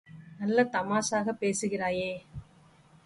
நல்ல தமாஷாகப் பேசுகிறயே!